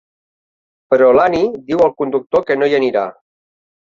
Però l'Annie diu al conductor que no hi anirà.